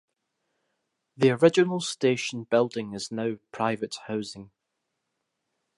The original station building is now private housing.